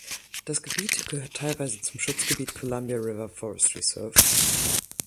Das Gebiet gehört Teilweise zum Schutzgebiet Columbia River Forest Reserve.